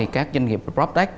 các doanh nghiệp proctech